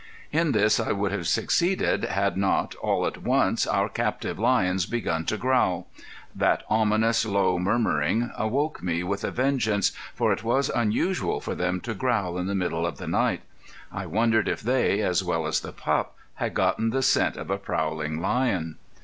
In this I would have succeeded had not, all at once, our captive lions begun to growl. That ominous, low murmuring awoke me with a vengeance, for it was unusual for them to growl in the middle of the night. I wondered if they, as well as the pup, had gotten the scent of a prowling lion.